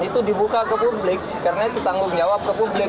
itu dibuka ke publik karena itu tanggung jawab ke publik